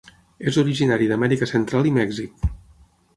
És originari d'Amèrica Central i Mèxic.